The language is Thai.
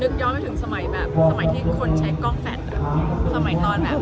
ก็จะบอกไม่ต้องการว่ากับเรานะ